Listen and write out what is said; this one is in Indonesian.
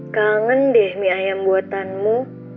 kangen deh mie ayam buatanmu